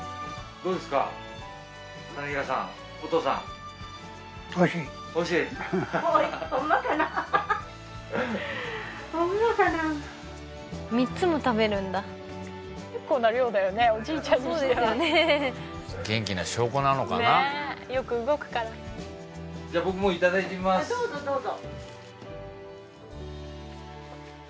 どうぞどうぞ。